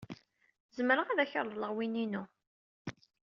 Zemreɣ ad ak-reḍleɣ win-inu.